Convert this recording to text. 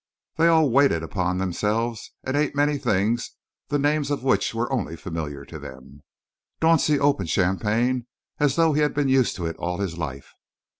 They all waited upon themselves and ate many things the names of which only were familiar to them. Dauncey opened champagne as though he had been used to it all his life.